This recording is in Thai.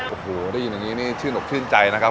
โอ้โหได้ยินอย่างนี้นี่ชื่นอกชื่นใจนะครับ